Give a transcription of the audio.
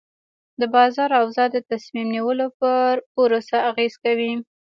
د بازار اوضاع د تصمیم نیولو پر پروسه اغېز کوي.